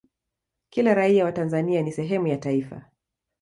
kila raia wa tanzania ni sehemu ya taifa